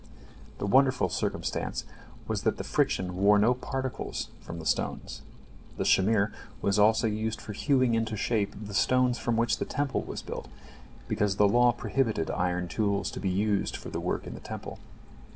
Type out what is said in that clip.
The wonderful circumstance was that the friction wore no particles from the stones. The shamir was also used for hewing into shape the stones from which the Temple was built, because the law prohibited iron tools to be used for the work in the Temple.